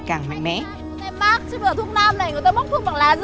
một triệu hai